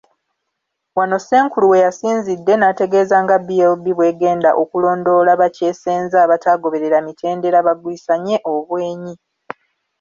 Wano Ssenkulu we yasinzidde n’ategeeza nga BLB bw’egenda okulondoola bakyesenza abataagoberera mitendera bagwisanye obwenyi.